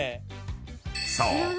［そう！